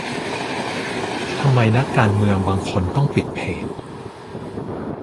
ทำไมนักการเมืองบางคนต้องปิดเพจ?